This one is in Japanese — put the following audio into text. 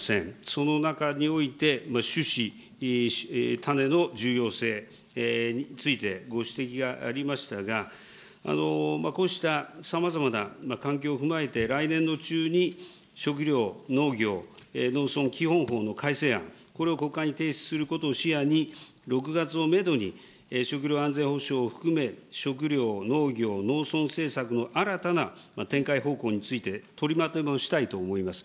その中において、種子、種の重要性について、ご指摘がありましたが、こうしたさまざまな環境を踏まえて、来年度中に食料、農業、農村基本法の改正案、これを国会に提出することを視野に、６月をメドに、食料安全保障を含め、食料、農業、農村政策の新たな展開方向について取りまとめをしたいと思います。